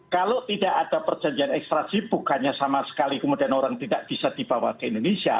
kalau tidak ada perjanjian ekstraji bukannya sama sekali kemudian orang tidak bisa dibawa ke indonesia